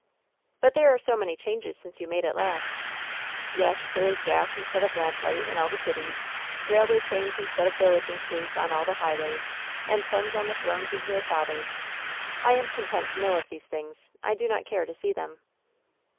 "But there are so many changes since you made it last." "Yes, there is gas instead of lamplight in all the cities; railway trains instead of diligences on all the highways; and sons on the thrones of their fathers. I am content to know of these things. I do not care to see them."